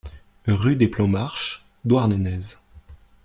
Rue des Plomarc'h, Douarnenez